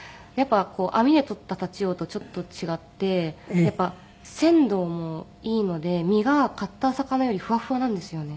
網で取ったタチウオとちょっと違ってやっぱり鮮度もいいので身が買った魚よりふわふわなんですよね。